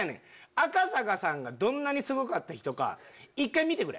赤坂さんがどんなにすごかった人か一回見てくれ